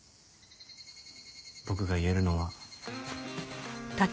僕が言えるのは。